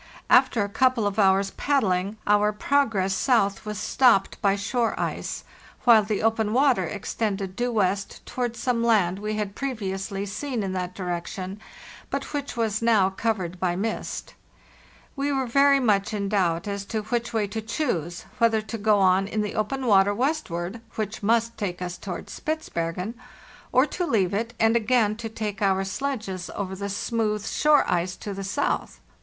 After a couple of hours' paddling our progress south was stopped by shore ice, while the open water extended due west towards some land we had previously seen in that direction, but which was now covered by mist. We were very much in doubt as to which way to choose, whether to go on in the open water westward—which must take us towards Spitzbergen— or to leave it and again take to our sledges over the 504 FARTHEST NORTH smooth shore ice to the south.